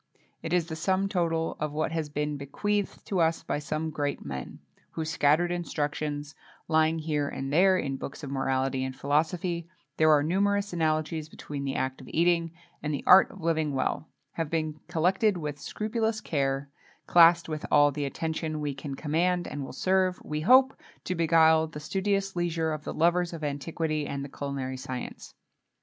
It is the sum total of what has been bequeathed to us by some great men, whose scattered instructions, lying here and there in books of morality and philosophy there are numerous analogies between the act of eating and the art of living well have been collected with scrupulous care, classed with all the attention we can command, and will serve, we hope, to beguile the studious leisure of the lovers of antiquity and the culinary science.